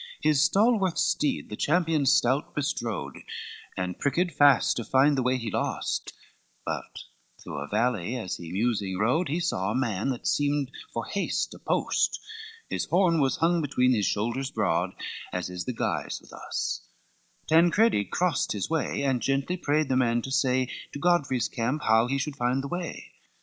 XXVII His stalwart steed the champion stout bestrode And pricked fast to find the way he lost, But through a valley as he musing rode, He saw a man that seemed for haste a post, His horn was hung between his shoulders broad, As is the guise with us: Tancredi crossed His way, and gently prayed the man to say, To Godfrey's camp how he should find the way.